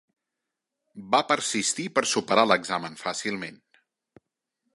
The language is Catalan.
Va persistir per superar l'examen fàcilment.